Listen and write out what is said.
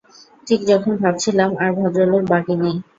ঠিক যখন ভাবছিলাম আর ভদ্রলোক বাকি নেই।